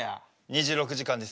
２６時間です。